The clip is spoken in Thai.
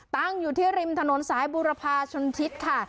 ตั้งอยู่ที่ริมถนนสายบุรพาชนทิศค่ะ